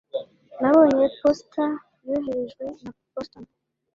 nabonye posita yoherejwe na boston